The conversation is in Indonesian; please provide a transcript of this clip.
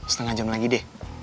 setengah jam lagi deh